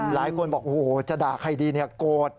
หลายคนบอกโอ้โหจะด่าใครดีเนี่ยโกรธ